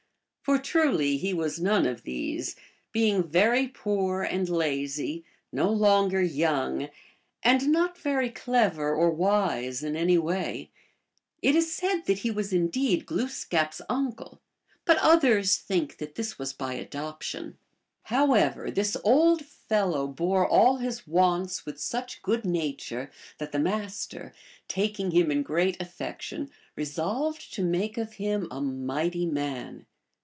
For truly he was none of these, being very poor and lazy, no longer young, and not very cleyer or wise in any way. It is said that he was indeed Glooskap s uncle, but others think that this was by adoption. However, this old fellow bore all his wants with such good nature that the Master, taking him in great affection, resolved to make of him a mighty man.